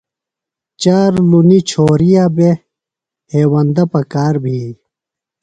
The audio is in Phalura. چارلُنی چھوریہ بےۡ، ہیوندہ پکار بھی